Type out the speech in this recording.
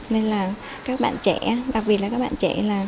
nên là các bạn trẻ đặc biệt là các bạn trẻ là